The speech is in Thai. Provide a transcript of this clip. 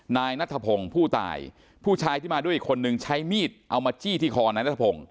นายนัทพงศ์ผู้ตายผู้ชายที่มาด้วยอีกคนนึงใช้มีดเอามาจี้ที่คอนายนัทพงศ์